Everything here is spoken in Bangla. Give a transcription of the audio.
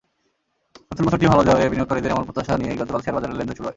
নতুন বছরটি ভালো যাবে—বিনিয়োগকারীদের এমন প্রত্যাশা নিয়েই গতকাল শেয়ারবাজারে লেনদেন শুরু হয়।